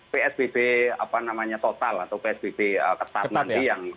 psbb total atau psbb ketat nanti yang